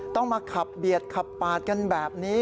ต้องมาขับเบียดขับปาดกันแบบนี้